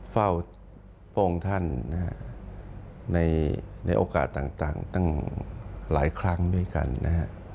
เฝาทรงท่านในโอกาสต่างตั้งหลายครั้งด้วยกันนะคะ